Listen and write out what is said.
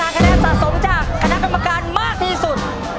คะแนนสะสมจากคณะกรรมการมากที่สุด